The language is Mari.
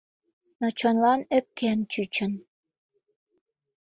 Но чонлан ӧпкен чучын.